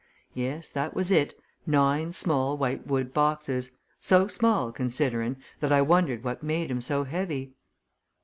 Yes that was it nine small white wood boxes so small, considering, that I wondered what made 'em so heavy."